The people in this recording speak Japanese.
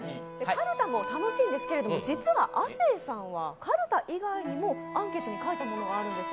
カルタも楽しいんですけれども、実は亜生さんはカルタ以外にもアンケートに書いたものがあるんです。